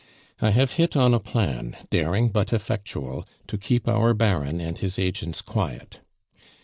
I have hit on a plan, daring but effectual, to keep our Baron and his agents quiet.